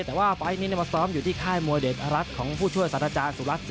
แต่ว่าไฟล์นี้มาซ้อมอยู่ที่ค่ายมวยเดชรัฐของผู้ช่วยสัตว์อาจารย์สุรัตน